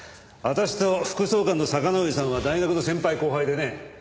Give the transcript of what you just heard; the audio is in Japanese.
私と副総監の坂之上さんは大学の先輩後輩でね。